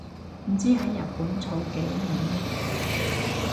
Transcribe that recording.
唔知喺日本坐幾年呢